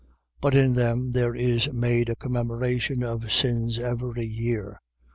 But in them there is made a commemoration of sins every year: 10:4.